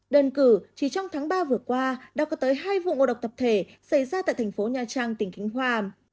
đơn cử chỉ trong tháng ba vừa qua đã có tới hai vụ ngộ độc tập thể xảy ra tại thành phố nha trang tỉnh khánh hòa